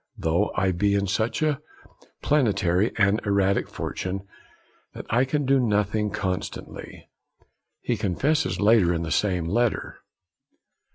'Though I be in such a planetary and erratic fortune that I can do nothing constantly,' he confesses later in the same letter.